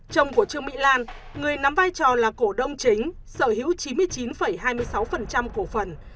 chồng của trương mỹ lan người nắm vai trò là cổ đông chính sở hữu chín mươi chín hai mươi sáu cổ phần